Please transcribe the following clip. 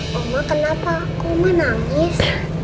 mama kenapa aku menangis